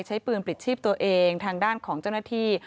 ใช้ปืนปลิดชีพตัวเองทางด้านของเจ้าหน้าที่